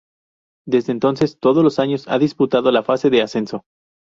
Desde entonces, todos los años ha disputado la Fase de Ascenso.